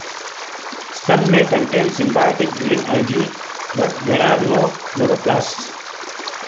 Some may contain symbiotic green algae, but there are no chloroplasts.